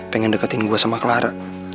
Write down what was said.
pengen deketin gue sama clara